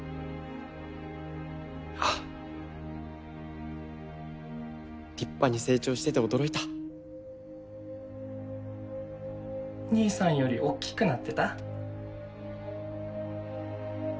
ああ立派に成長してて驚いた兄さんよりおっきくなってた？